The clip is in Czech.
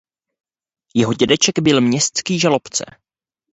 Jeho dědeček byl městský žalobce.